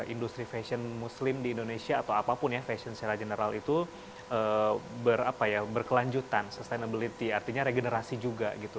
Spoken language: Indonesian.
industri fashion muslim di indonesia atau apapun ya fashion secara general itu berkelanjutan sustainability artinya regenerasi juga gitu